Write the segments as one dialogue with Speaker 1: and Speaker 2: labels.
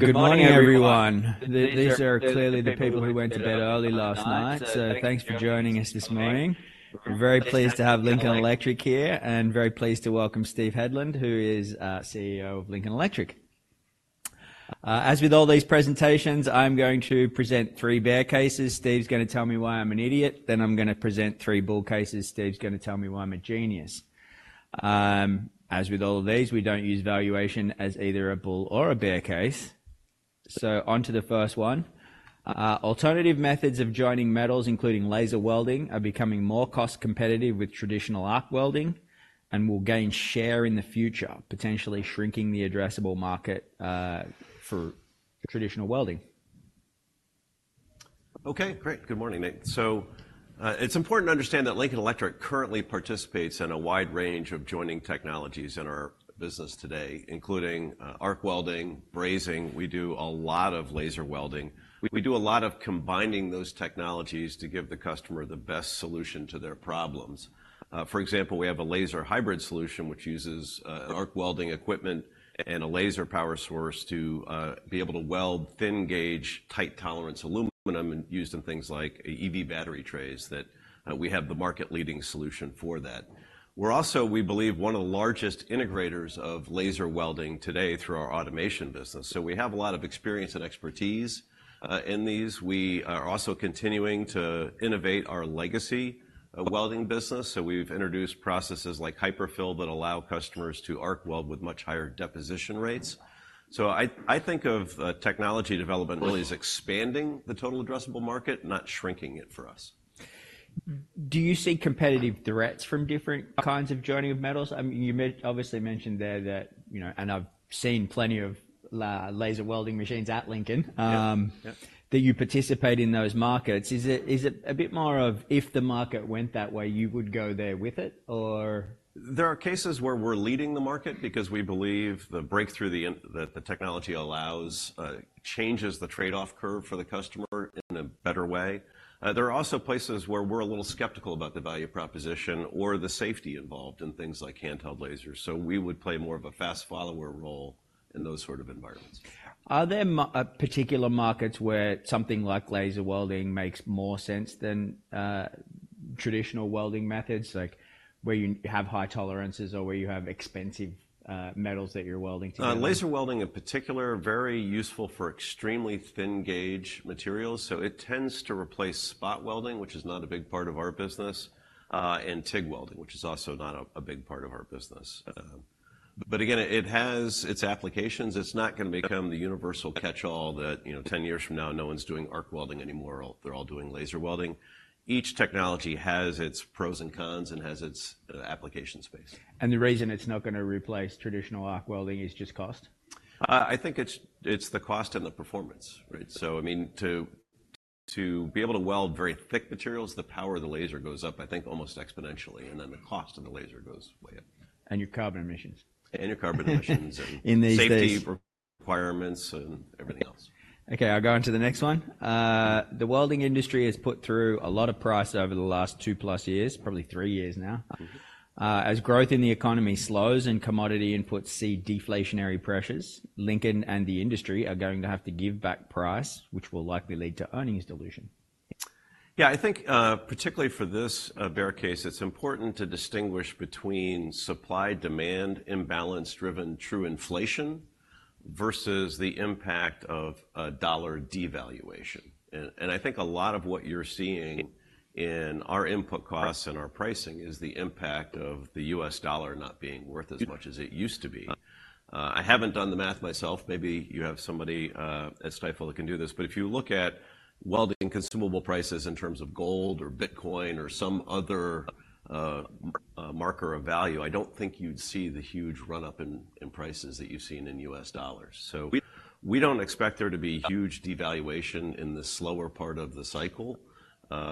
Speaker 1: Good morning everyone. These are clearly the people who went to bed early last night, so thanks for joining us this morning. We're very pleased to have Lincoln Electric here, and very pleased to welcome Steve Hedlund, who is CEO of Lincoln Electric. As with all these presentations, I'm going to present three bear cases. Steve's gonna tell me why I'm an idiot, then I'm gonna present three bull cases. Steve's gonna tell me why I'm a genius. As with all of these, we don't use valuation as either a bull or a bear case, so on to the first one. Alternative methods of joining metals, including laser welding, are becoming more cost competitive with traditional arc welding and will gain share in the future, potentially shrinking the addressable market for traditional welding.
Speaker 2: Okay, great. Good morning, mate. So, it's important to understand that Lincoln Electric currently participates in a wide range of joining technologies in our business today, including, arc welding, brazing. We do a lot of laser welding. We, we do a lot of combining those technologies to give the customer the best solution to their problems. For example, we have a laser hybrid solution, which uses, arc welding equipment and a laser power source to, be able to weld thin-gauge, tight-tolerance aluminum, and used in things like EV battery trays, that, we have the market-leading solution for that. We're also, we believe, one of the largest integrators of laser welding today through our automation business, so we have a lot of experience and expertise, in these. We are also continuing to innovate our legacy welding business, so we've introduced processes like HyperFill, that allow customers to arc weld with much higher deposition rates. So I, I think of, technology development really as expanding the total addressable market, not shrinking it for us.
Speaker 1: Do you see competitive threats from different kinds of joining of metals? I mean, you obviously mentioned there that, you know, and I've seen plenty of laser welding machines at Lincoln.
Speaker 2: Yep, yep.
Speaker 1: That you participate in those markets. Is it, is it a bit more of, if the market went that way, you would go there with it, or?
Speaker 2: There are cases where we're leading the market because we believe the breakthrough that the technology allows changes the trade-off curve for the customer in a better way. There are also places where we're a little skeptical about the value proposition or the safety involved in things like handheld lasers, so we would play more of a fast follower role in those sort of environments.
Speaker 1: Are there particular markets where something like laser welding makes more sense than traditional welding methods, like where you have high tolerances or where you have expensive metals that you're welding together?
Speaker 2: Laser welding in particular, very useful for extremely thin-gauge materials, so it tends to replace spot welding, which is not a big part of our business, and TIG welding, which is also not a big part of our business. But again, it has its applications. It's not gonna become the universal catch-all that, you know, 10 years from now, no one's doing arc welding anymore, or they're all doing laser welding. Each technology has its pros and cons and has its application space.
Speaker 1: The reason it's not gonna replace traditional arc welding is just cost?
Speaker 2: I think it's the cost and the performance, right? So, I mean, to be able to weld very thick materials, the power of the laser goes up, I think, almost exponentially, and then the cost of the laser goes way up.
Speaker 1: Your carbon emissions.
Speaker 2: Your carbon emissions and.
Speaker 1: In these.
Speaker 2: Safety requirements and everything else.
Speaker 1: Okay, I'll go on to the next one. The welding industry has put through a lot of price over the last two plus years, probably three years now.
Speaker 2: Mm-hmm.
Speaker 1: As growth in the economy slows and commodity inputs see deflationary pressures, Lincoln and the industry are going to have to give back price, which will likely lead to earnings dilution.
Speaker 2: Yeah, I think, particularly for this, bear case, it's important to distinguish between supply-demand imbalance driven true inflation versus the impact of a dollar devaluation. And I think a lot of what you're seeing in our input costs and our pricing is the impact of the U.S. dollar not being worth as much as it used to be. I haven't done the math myself, maybe you have somebody at Stifel that can do this, but if you look at welding consumable prices in terms of gold or Bitcoin or some other marker of value, I don't think you'd see the huge run-up in prices that you've seen in U.S. dollars. So we don't expect there to be huge devaluation in the slower part of the cycle.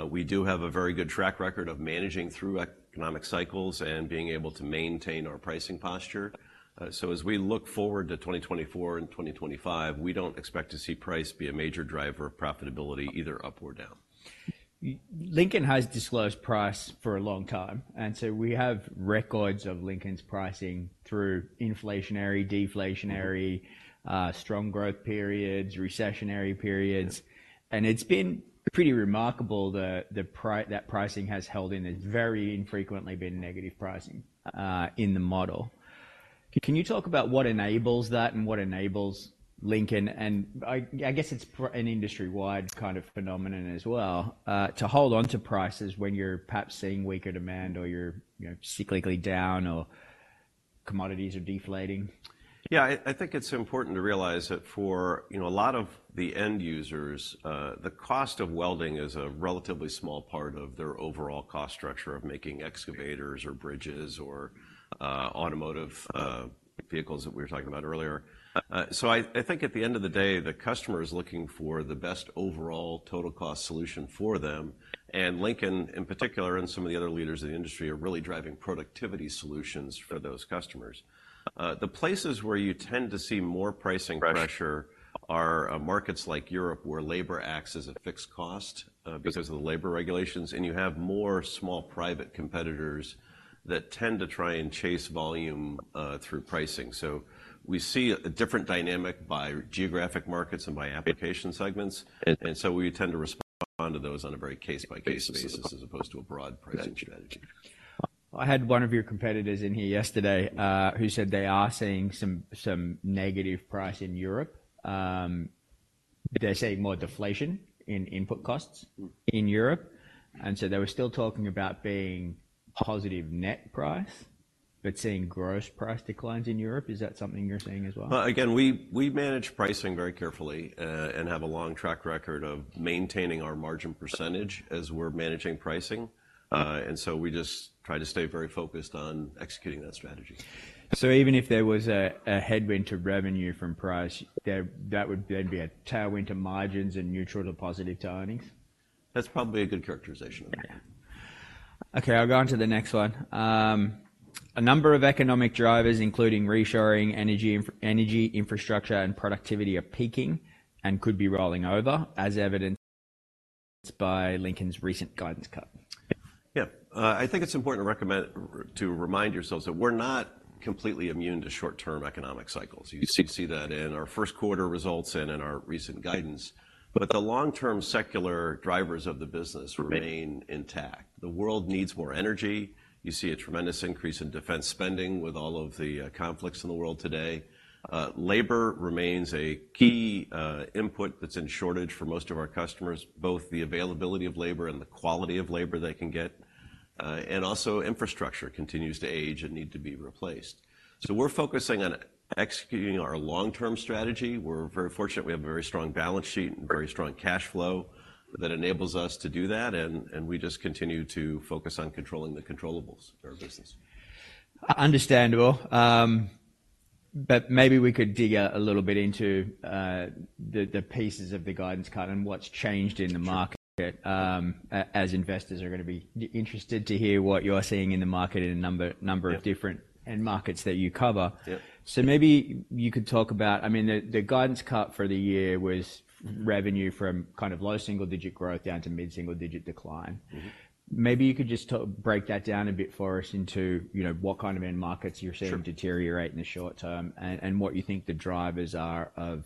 Speaker 2: We do have a very good track record of managing through economic cycles and being able to maintain our pricing posture. As we look forward to 2024 and 2025, we don't expect to see price be a major driver of profitability, either up or down.
Speaker 1: Lincoln has disclosed price for a long time, and so we have records of Lincoln's pricing through inflationary, deflationary.
Speaker 2: Mm.
Speaker 1: Strong growth periods, recessionary periods.
Speaker 2: Yep.
Speaker 1: It's been pretty remarkable that pricing has held in. It's very infrequently been negative pricing in the model. Can you talk about what enables that and what enables Lincoln? I guess it's an industry-wide kind of phenomenon as well to hold onto prices when you're perhaps seeing weaker demand or you're, you know, cyclically down, or commodities are deflating.
Speaker 2: Yeah, I think it's important to realize that for, you know, a lot of the end users, the cost of welding is a relatively small part of their overall cost structure of making excavators or bridges or automotive vehicles that we were talking about earlier. So I think at the end of the day, the customer is looking for the best overall total cost solution for them. And Lincoln, in particular, and some of the other leaders in the industry, are really driving productivity solutions for those customers. The places where you tend to see more pricing pressure.
Speaker 1: Right.
Speaker 2: Are markets like Europe, where labor acts as a fixed cost, because of the labor regulations, and you have more small private competitors that tend to try and chase volume through pricing. So we see a different dynamic by geographic markets and by application segments, and so we tend to respond to those on a very case-by-case basis as opposed to a broad pricing strategy.
Speaker 1: I had one of your competitors in here yesterday, who said they are seeing some negative price in Europe. They're seeing more deflation in input costs in Europe, and so they were still talking about being positive net price, but seeing gross price declines in Europe. Is that something you're seeing as well?
Speaker 2: Well, again, we manage pricing very carefully, and have a long track record of maintaining our margin percentage as we're managing pricing. And so we just try to stay very focused on executing that strategy.
Speaker 1: So even if there was a headwind to revenue from price, there'd be a tailwind to margins and neutral to positive to earnings?
Speaker 2: That's probably a good characterization of it.
Speaker 1: Yeah. Okay, I'll go on to the next one. A number of economic drivers, including reshoring, energy, infrastructure, and productivity, are peaking and could be rolling over, as evidenced by Lincoln's recent guidance cut.
Speaker 2: Yeah. I think it's important to recommend, to remind yourselves that we're not completely immune to short-term economic cycles. You see that in our first quarter results and in our recent guidance. But the long-term secular drivers of the business remain intact. The world needs more energy. You see a tremendous increase in defense spending with all of the conflicts in the world today. Labor remains a key input that's in shortage for most of our customers, both the availability of labor and the quality of labor they can get. And also, infrastructure continues to age and need to be replaced. So we're focusing on executing our long-term strategy. We're very fortunate we have a very strong balance sheet and very strong cash flow that enables us to do that, and we just continue to focus on controlling the controllables of our business.
Speaker 1: Understandable. But maybe we could dig a little bit into the pieces of the guidance cut and what's changed in the market, as investors are gonna be interested to hear what you're seeing in the market in a number, number.
Speaker 2: Yeah.
Speaker 1: Of different end markets that you cover.
Speaker 2: Yeah.
Speaker 1: So maybe you could talk about, I mean, the guidance cut for the year was.
Speaker 2: Mm-hmm.
Speaker 1: Revenue from kind of low single-digit growth down to mid-single-digit decline.
Speaker 2: Mm-hmm.
Speaker 1: Maybe you could just to break that down a bit for us into, you know, what kind of end markets you're seeing.
Speaker 2: Sure.
Speaker 1: Deteriorate in the short term, and what you think the drivers are of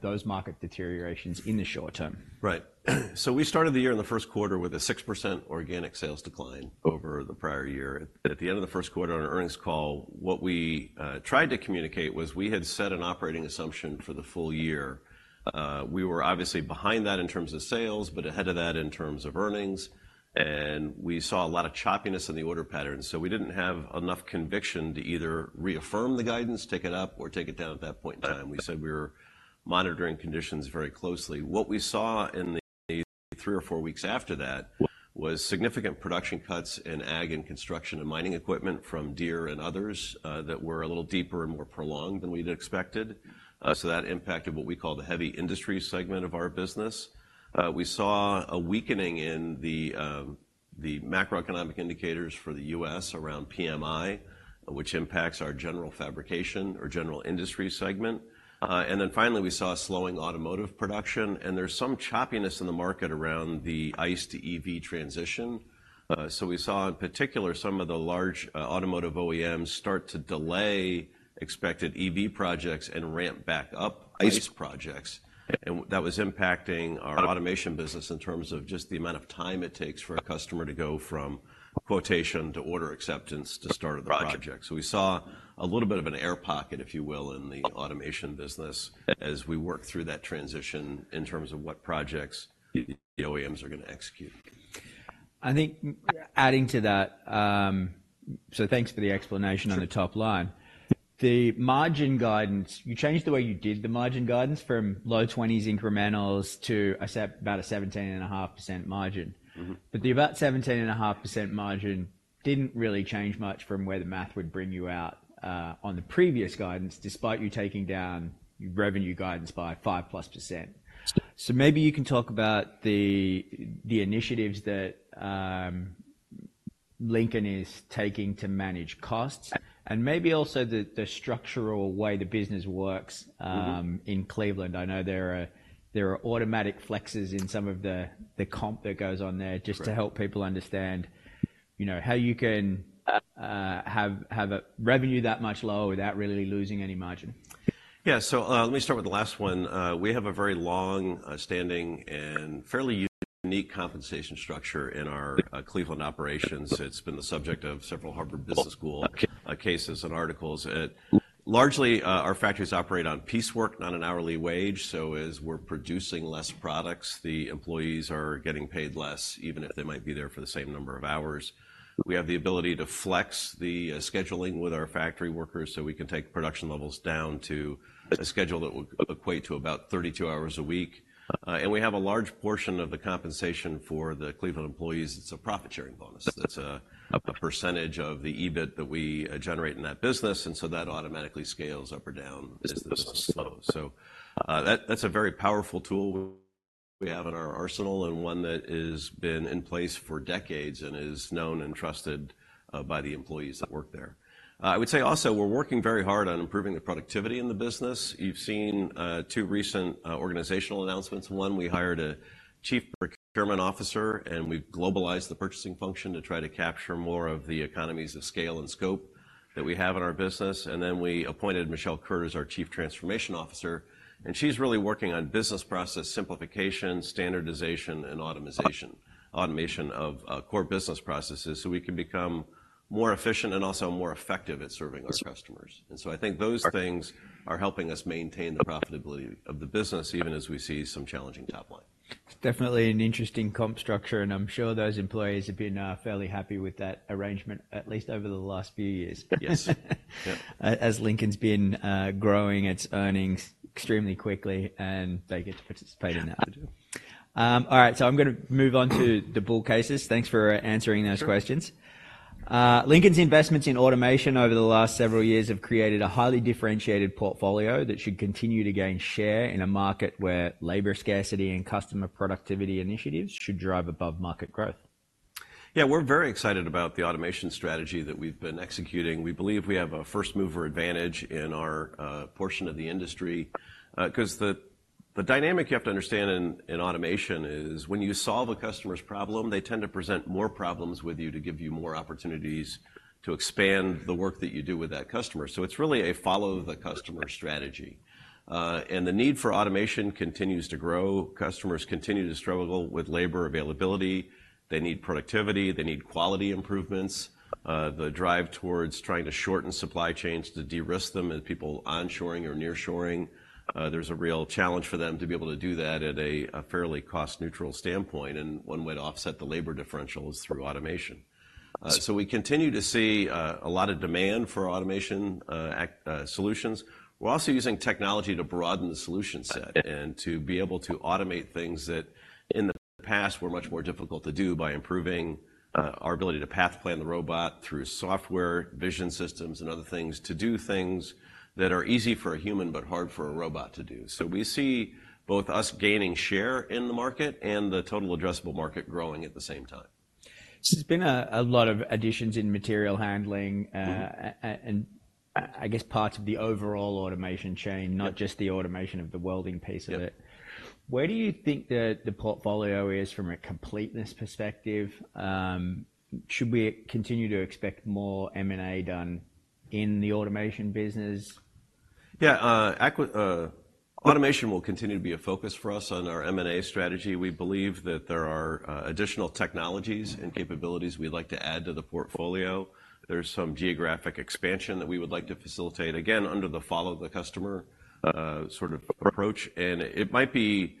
Speaker 1: those market deteriorations in the short term.
Speaker 2: Right. So we started the year in the first quarter with a 6% organic sales decline over the prior year. At the end of the first quarter, on our earnings call, what we tried to communicate was we had set an operating assumption for the full year. We were obviously behind that in terms of sales, but ahead of that in terms of earnings, and we saw a lot of choppiness in the order patterns, so we didn't have enough conviction to either reaffirm the guidance, take it up, or take it down at that point in time. We said we were monitoring conditions very closely. What we saw in the three or four weeks after that was significant production cuts in ag and construction and mining equipment from Deere and others, that were a little deeper and more prolonged than we'd expected. So that impacted what we call the heavy industry segment of our business. We saw a weakening in the macroeconomic indicators for the U.S. around PMI, which impacts our general fabrication or general industry segment. And then finally, we saw a slowing automotive production, and there's some choppiness in the market around the ICE to EV transition. So we saw, in particular, some of the large, automotive OEMs start to delay expected EV projects and ramp back up ICE projects. And that was impacting our automation business in terms of just the amount of time it takes for a customer to go from quotation to order acceptance to start of the project. So we saw a little bit of an air pocket, if you will, in the automation business as we work through that transition in terms of what projects the OEMs are gonna execute.
Speaker 1: I think adding to that. So thanks for the explanation.
Speaker 2: Sure.
Speaker 1: On the top line. The margin guidance, you changed the way you did the margin guidance from low 20s incrementals to, I say, about a 17.5% margin.
Speaker 2: Mm-hmm.
Speaker 1: But the about 17.5% margin didn't really change much from where the math would bring you out on the previous guidance, despite you taking down your revenue guidance by 5%+. So maybe you can talk about the initiatives that Lincoln is taking to manage costs and maybe also the structural way the business works.
Speaker 2: Mm-hmm.
Speaker 1: In Cleveland. I know there are, there are automatic flexes in some of the, the comp that goes on there.
Speaker 2: Right.
Speaker 1: Just to help people understand, you know, how you can have a revenue that much lower without really losing any margin.
Speaker 2: Yeah. So, let me start with the last one. We have a very long-standing and fairly unique compensation structure in our Cleveland operations. It's been the subject of several Harvard Business School cases and articles. Largely, our factories operate on piecework, not an hourly wage, so as we're producing less products, the employees are getting paid less, even if they might be there for the same number of hours. We have the ability to flex the scheduling with our factory workers so we can take production levels down to a schedule that would equate to about 32 hours a week. And we have a large portion of the compensation for the Cleveland employees. It's a profit-sharing bonus. That's a percentage of the EBIT that we generate in that business, and so that automatically scales up or down as the business slows. So, that, that's a very powerful tool we have in our arsenal, and one that has been in place for decades and is known and trusted by the employees that work there. I would say also, we're working very hard on improving the productivity in the business. You've seen two recent organizational announcements. One, we hired a Chief Procurement Officer, and we've globalized the purchasing function to try to capture more of the economies of scale and scope that we have in our business. And then we appointed Michele Kuhrt as our Chief Transformation Officer, and she's really working on business process simplification, standardization, and automation of core business processes, so we can become more efficient and also more effective at serving our customers. And so I think those things are helping us maintain the profitability of the business, even as we see some challenging top line.
Speaker 1: It's definitely an interesting comp structure, and I'm sure those employees have been fairly happy with that arrangement, at least over the last few years.
Speaker 2: Yes. Yep.
Speaker 1: As Lincoln's been growing its earnings extremely quickly, and they get to participate in that.
Speaker 2: They do.
Speaker 1: All right, so I'm gonna move on to the bull cases. Thanks for answering those questions.
Speaker 2: Sure.
Speaker 1: Lincoln's investments in automation over the last several years have created a highly differentiated portfolio that should continue to gain share in a market where labor scarcity and customer productivity initiatives should drive above-market growth.
Speaker 2: Yeah, we're very excited about the automation strategy that we've been executing. We believe we have a first-mover advantage in our portion of the industry. 'Cause the dynamic you have to understand in automation is when you solve a customer's problem, they tend to present more problems with you, to give you more opportunities to expand the work that you do with that customer, so it's really a follow-the-customer strategy. And the need for automation continues to grow. Customers continue to struggle with labor availability. They need productivity. They need quality improvements. The drive towards trying to shorten supply chains to de-risk them as people onshoring or nearshoring, there's a real challenge for them to be able to do that at a fairly cost-neutral standpoint, and one way to offset the labor differential is through automation. So we continue to see a lot of demand for automation solutions. We're also using technology to broaden the solution set and to be able to automate things that, in the past, were much more difficult to do, by improving our ability to path plan the robot through software, vision systems, and other things, to do things that are easy for a human, but hard for a robot to do. So we see both us gaining share in the market and the total addressable market growing at the same time.
Speaker 1: There's been a lot of additions in material handling.
Speaker 2: Mm-hmm.
Speaker 1: And I guess part of the overall automation chain.
Speaker 2: Yep.
Speaker 1: Not just the automation of the welding piece of it.
Speaker 2: Yep.
Speaker 1: Where do you think the portfolio is from a completeness perspective? Should we continue to expect more M&A done in the automation business?
Speaker 2: Yeah, automation will continue to be a focus for us on our M&A strategy. We believe that there are additional technologies and capabilities we'd like to add to the portfolio. There's some geographic expansion that we would like to facilitate, again, under the follow-the-customer sort of approach. It might be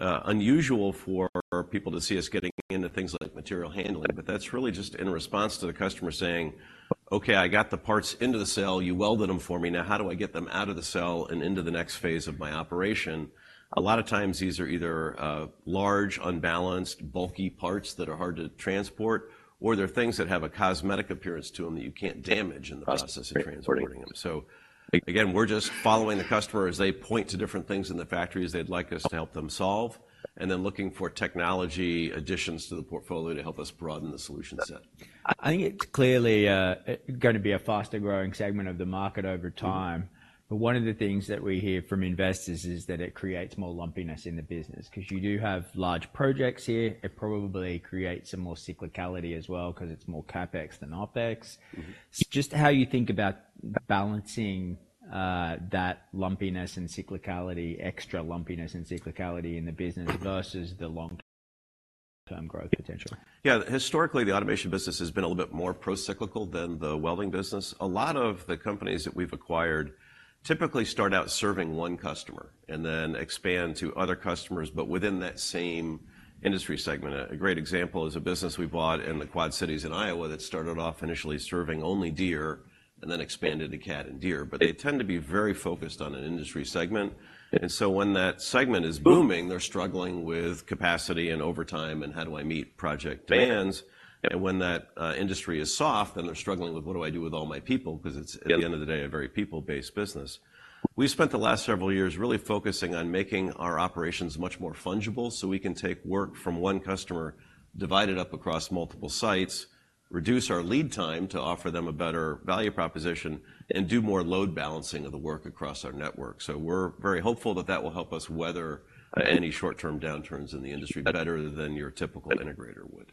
Speaker 2: unusual for people to see us getting into things like material handling, but that's really just in response to the customer saying, "Okay, I got the parts into the cell. You welded them for me. Now, how do I get them out of the cell and into the next phase of my operation?" A lot of times, these are either large, unbalanced, bulky parts that are hard to transport, or they're things that have a cosmetic appearance to them that you can't damage in the process of transporting them. So again, we're just following the customer as they point to different things in the factories they'd like us to help them solve, and then looking for technology additions to the portfolio to help us broaden the solution set.
Speaker 1: I think it's clearly going to be a faster-growing segment of the market over time.
Speaker 2: Mm-hmm.
Speaker 1: But one of the things that we hear from investors is that it creates more lumpiness in the business. 'Cause you do have large projects here. It probably creates some more cyclicality as well, 'cause it's more CapEx than OpEx.
Speaker 2: Mm-hmm.
Speaker 1: So just how you think about balancing that lumpiness and cyclicality, extra lumpiness and cyclicality in the business versus the long-term growth potential?
Speaker 2: Yeah, historically, the automation business has been a little bit more procyclical than the welding business. A great example is a business we bought in the Quad Cities in Iowa that started off initially serving only Deere and then expanded to Cat and Deere, but they tend to be very focused on an industry segment. And so when that segment is booming, they're struggling with capacity and overtime, and how do I meet project demands? And when that industry is soft, then they're struggling with, "What do I do with all my people?" 'Cause it's.
Speaker 1: Yep.
Speaker 2: At the end of the day, a very people-based business. We've spent the last several years really focusing on making our operations much more fungible, so we can take work from one customer, divide it up across multiple sites, reduce our lead time to offer them a better value proposition, and do more load balancing of the work across our network. So we're very hopeful that that will help us weather any short-term downturns in the industry better than your typical integrator would.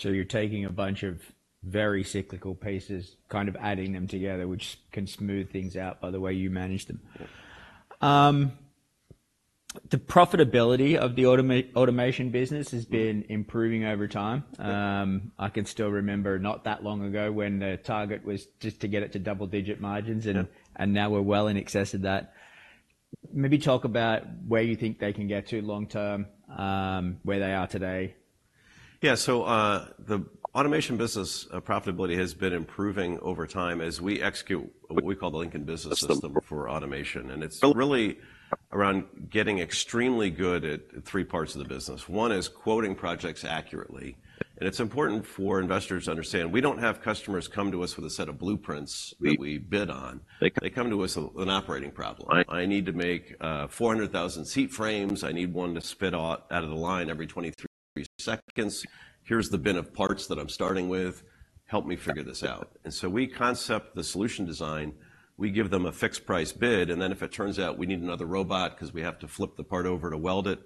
Speaker 1: So you're taking a bunch of very cyclical pieces, kind of adding them together, which can smooth things out by the way you manage them?
Speaker 2: Yep.
Speaker 1: The profitability of the automation business has been.
Speaker 2: Mm.
Speaker 1: Improving over time.
Speaker 2: Yep.
Speaker 1: I can still remember not that long ago, when the target was just to get it to double-digit margins.
Speaker 2: Yeah.
Speaker 1: And, and now we're well in excess of that. Maybe talk about where you think they can get to long term, where they are today?
Speaker 2: Yeah, so, the automation business profitability has been improving over time as we execute what we call the Lincoln Business System for automation. It's really around getting extremely good at three parts of the business. One is quoting projects accurately, and it's important for investors to understand, we don't have customers come to us with a set of blueprints that we bid on. They come to us with an operating problem. I need to make 400,000 seat frames. I need one to spit out of the line every 23 seconds. Here's the bin of parts that I'm starting with. Help me figure this out. And so we concept the solution design, we give them a fixed price bid, and then if it turns out we need another robot 'cause we have to flip the part over to weld it,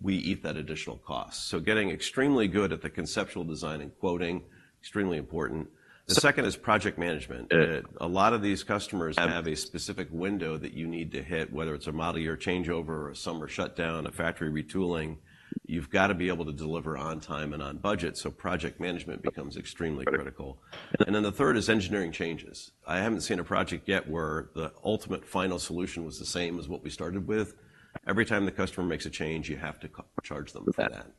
Speaker 2: we eat that additional cost. So getting extremely good at the conceptual design and quoting, extremely important. The second is project management. A lot of these customers have a specific window that you need to hit, whether it's a model year changeover or a summer shutdown, a factory retooling, you've got to be able to deliver on time and on budget, so project management becomes extremely critical. And then the third is engineering changes. I haven't seen a project yet where the ultimate final solution was the same as what we started with. Every time the customer makes a change, you have to charge them for that.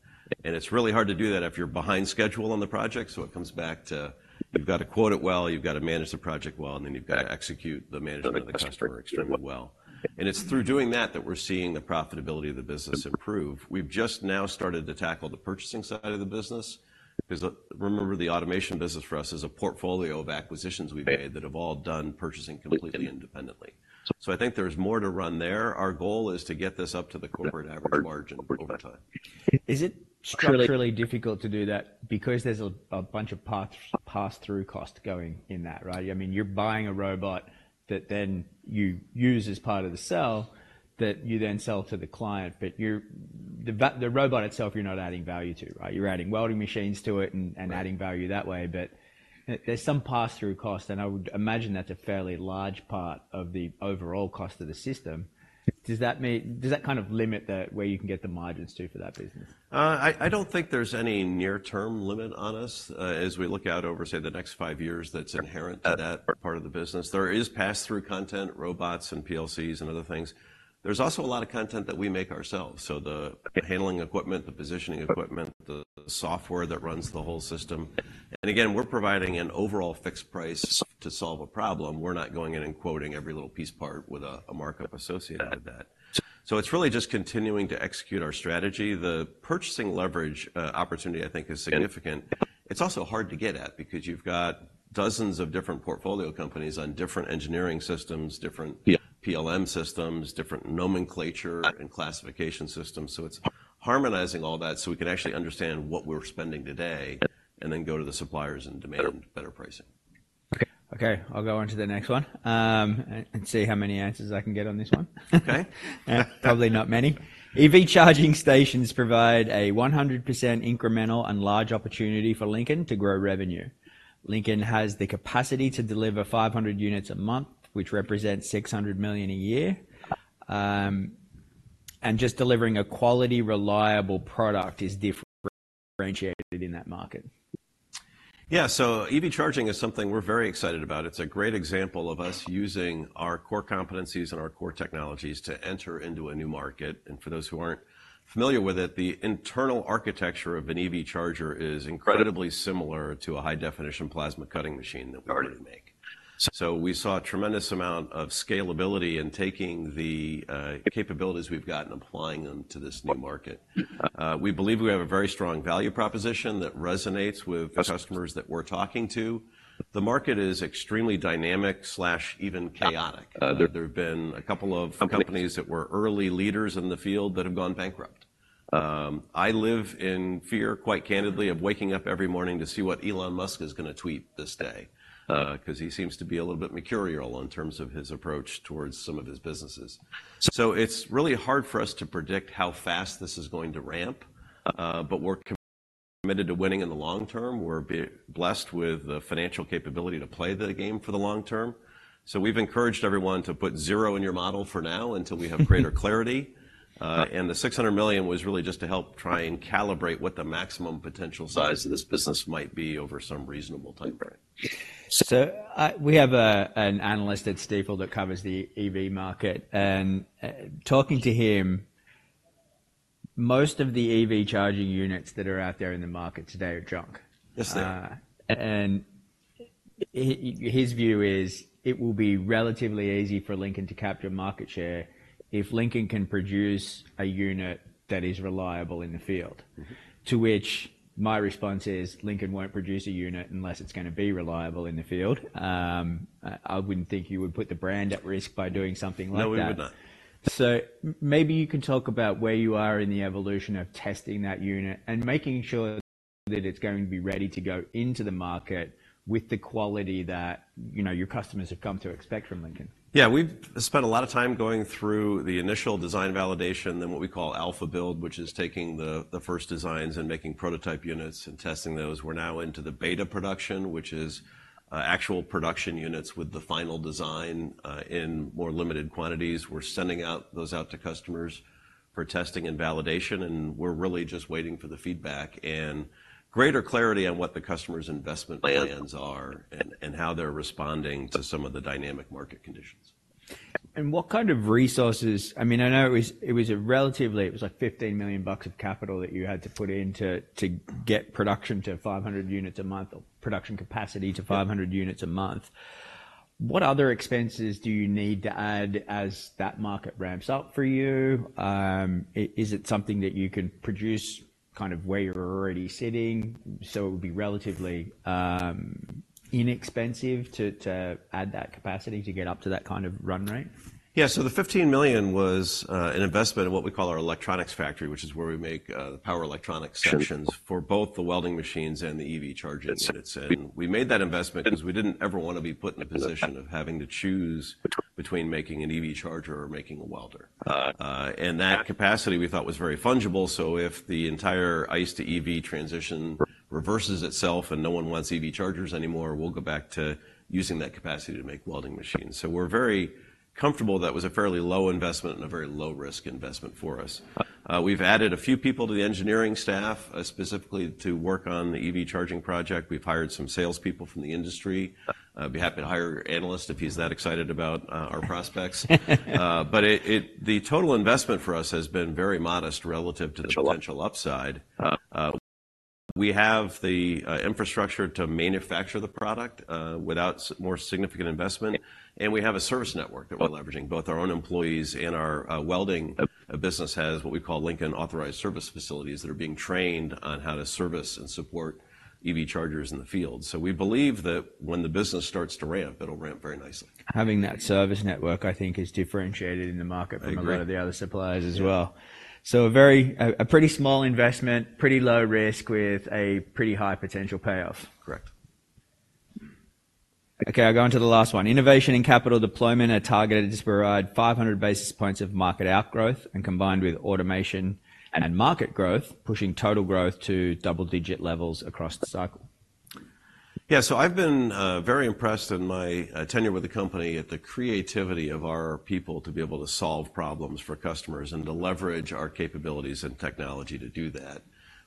Speaker 2: And it's really hard to do that if you're behind schedule on the project. So it comes back to you've got to quote it well, you've got to manage the project well, and then you've got to execute the management of the customer extremely well. And it's through doing that, that we're seeing the profitability of the business improve. We've just now started to tackle the purchasing side of the business, 'cause, remember, the automation business for us is a portfolio of acquisitions we made that have all done purchasing completely independently. So I think there's more to run there. Our goal is to get this up to the corporate average margin over time.
Speaker 1: Is it structurally difficult to do that because there's a bunch of pass-through costs going in that, right? I mean, you're buying a robot that then you use as part of the sale, that you then sell to the client, but the robot itself, you're not adding value to, right? You're adding welding machines to it and, and.
Speaker 2: Right.
Speaker 1: Adding value that way, but there's some pass-through cost, and I would imagine that's a fairly large part of the overall cost of the system. Does that mean, does that kind of limit the where you can get the margins to for that business?
Speaker 2: I don't think there's any near-term limit on us, as we look out over, say, the next five years, that's inherent to that part of the business. There is pass-through content, robots and PLCs and other things. There's also a lot of content that we make ourselves, so the handling equipment, the positioning equipment, the software that runs the whole system. And again, we're providing an overall fixed price to solve a problem. We're not going in and quoting every little piece part with a markup associated with that. So it's really just continuing to execute our strategy. The purchasing leverage opportunity, I think, is significant. It's also hard to get at because you've got dozens of different portfolio companies on different engineering systems, different.
Speaker 1: Yeah.
Speaker 2: PLM systems, different nomenclature and classification systems. So it's harmonizing all that, so we can actually understand what we're spending today, and then go to the suppliers and demand better pricing.
Speaker 1: Okay, okay, I'll go on to the next one, and see how many answers I can get on this one.
Speaker 2: Okay.
Speaker 1: Probably not many. EV charging stations provide a 100% incremental and large opportunity for Lincoln to grow revenue. Lincoln has the capacity to deliver 500 units a month, which represents $600 million a year. And just delivering a quality, reliable product is differentiated in that market.
Speaker 2: Yeah, so EV charging is something we're very excited about. It's a great example of us using our core competencies and our core technologies to enter into a new market. For those who aren't familiar with it, the internal architecture of an EV charger is incredibly similar to a high-definition plasma cutting machine that we already make. We saw a tremendous amount of scalability in taking the capabilities we've got and applying them to this new market. We believe we have a very strong value proposition that resonates with the customers that we're talking to. The market is extremely dynamic slash even chaotic. There have been a couple of companies that were early leaders in the field that have gone bankrupt. I live in fear, quite candidly, of waking up every morning to see what Elon Musk is gonna tweet this day, 'cause he seems to be a little bit mercurial in terms of his approach towards some of his businesses. So it's really hard for us to predict how fast this is going to ramp, but we're committed to winning in the long term. We're blessed with the financial capability to play the game for the long term, so we've encouraged everyone to put zero in your model for now until we have greater clarity. And the $600 million was really just to help try and calibrate what the maximum potential size of this business might be over some reasonable time frame.
Speaker 1: So we have an analyst at Stifel that covers the EV market, and talking to him, most of the EV charging units that are out there in the market today are junk.
Speaker 2: Yes, they are.
Speaker 1: His view is it will be relatively easy for Lincoln to capture market share if Lincoln can produce a unit that is reliable in the field.
Speaker 2: Mm-hmm.
Speaker 1: To which my response is, Lincoln won't produce a unit unless it's gonna be reliable in the field. I wouldn't think you would put the brand at risk by doing something like that.
Speaker 2: No, we would not.
Speaker 1: So maybe you can talk about where you are in the evolution of testing that unit and making sure that it's going to be ready to go into the market with the quality that, you know, your customers have come to expect from Lincoln.
Speaker 2: Yeah, we've spent a lot of time going through the initial design validation, then what we call Alpha build, which is taking the first designs and making prototype units and testing those. We're now into the Beta production, which is actual production units with the final design in more limited quantities. We're sending those out to customers for testing and validation, and we're really just waiting for the feedback and greater clarity on what the customer's investment plans are and how they're responding to some of the dynamic market conditions.
Speaker 1: And what kind of resources, I mean, I know it was, it was a relatively, it was like $15 million of capital that you had to put in to get production to 500 units a month, or production capacity to 500 units a month. What other expenses do you need to add as that market ramps up for you? Is it something that you could produce kind of where you're already sitting, so it would be relatively inexpensive to add that capacity to get up to that kind of run rate?
Speaker 2: Yeah, so the $15 million was an investment in what we call our electronics factory, which is where we make the power electronics sections for both the welding machines and the EV charging units. And we made that investment because we didn't ever wanna be put in a position of having to choose between making an EV charger or making a welder.
Speaker 1: Uh.
Speaker 2: And that capacity we thought was very fungible, so if the entire ICE to EV transition reverses itself and no one wants EV chargers anymore, we'll go back to using that capacity to make welding machines. So we're very comfortable that was a fairly low investment and a very low-risk investment for us. We've added a few people to the engineering staff, specifically to work on the EV charging project. We've hired some salespeople from the industry. I'd be happy to hire your analyst if he's that excited about our prospects. But it, the total investment for us has been very modest relative to the potential upside. We have the infrastructure to manufacture the product, without more significant investment, and we have a service network that we're leveraging. Both our own employees and our welding business has what we call Lincoln-authorized service facilities that are being trained on how to service and support EV chargers in the field. So we believe that when the business starts to ramp, it'll ramp very nicely.
Speaker 1: Having that service network, I think, is differentiated in the market.
Speaker 2: Agree.
Speaker 1: From a lot of the other suppliers as well.
Speaker 2: Yeah.
Speaker 1: So a very pretty small investment, pretty low risk, with a pretty high potential payoff.
Speaker 2: Correct.
Speaker 1: Okay, I'll go on to the last one. Innovation and capital deployment are targeted to provide 500 basis points of market outgrowth and combined with automation and market growth, pushing total growth to double-digit levels across the cycle.
Speaker 2: Yeah, so I've been very impressed in my tenure with the company at the creativity of our people to be able to solve problems for customers and to leverage our capabilities and technology to do that.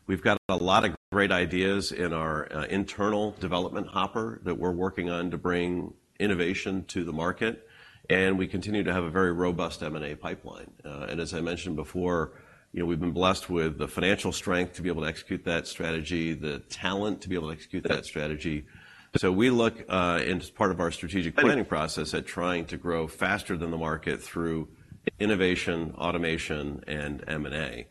Speaker 2: We've got a lot of great ideas in our internal development hopper that we're working on to bring innovation to the market, and we continue to have a very robust M&A pipeline. And as I mentioned before, you know, we've been blessed with the financial strength to be able to execute that strategy, the talent to be able to execute that strategy. So we look as part of our strategic planning process, at trying to grow faster than the market through innovation, automation, and M&A.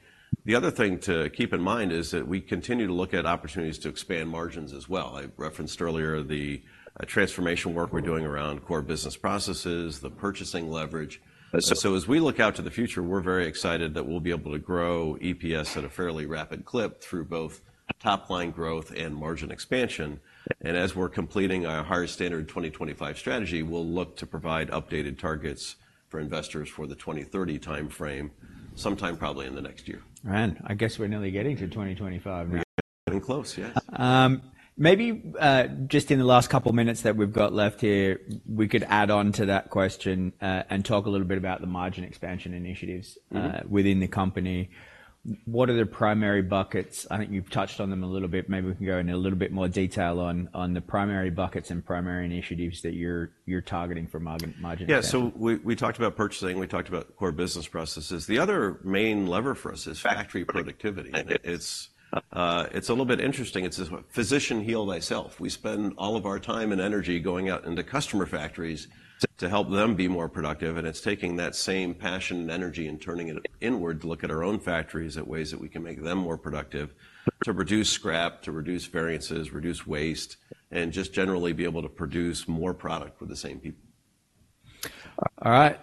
Speaker 2: The other thing to keep in mind is that we continue to look at opportunities to expand margins as well. I referenced earlier the transformation work we're doing around core business processes, the purchasing leverage.
Speaker 1: Yes.
Speaker 2: As we look out to the future, we're very excited that we'll be able to grow EPS at a fairly rapid clip through both top-line growth and margin expansion. As we're completing our Higher Standard 2025 strategy, we'll look to provide updated targets for investors for the 2030 timeframe, sometime probably in the next year.
Speaker 1: Right. I guess we're nearly getting to 2025 now.
Speaker 2: We're getting close, yes.
Speaker 1: Maybe, just in the last couple of minutes that we've got left here, we could add on to that question, and talk a little bit about the margin expansion initiatives.
Speaker 2: Mm-hmm.
Speaker 1: Within the company. What are the primary buckets? I think you've touched on them a little bit. Maybe we can go into a little bit more detail on the primary buckets and primary initiatives that you're targeting for margin expansion.
Speaker 2: Yeah, so we talked about purchasing, we talked about core business processes. The other main lever for us is factory productivity. It's a little bit interesting. It's this Physician, heal thyself. We spend all of our time and energy going out into customer factories to help them be more productive, and it's taking that same passion and energy and turning it inward to look at our own factories, at ways that we can make them more productive, to reduce scrap, to reduce variances, reduce waste, and just generally be able to produce more product with the same people.
Speaker 1: All right.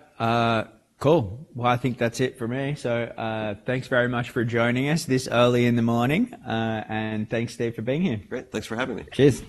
Speaker 1: Cool. Well, I think that's it for me. So, thanks very much for joining us this early in the morning. And thanks, Steve, for being here.
Speaker 2: Great. Thanks for having me.
Speaker 1: Cheers.